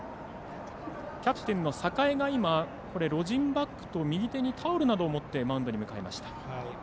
キャプテンの榮がロジンバッグと右手にタオルなどを持ってマウンドに向かいます。